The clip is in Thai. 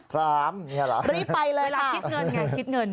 จะคิดเงินคิดเงิน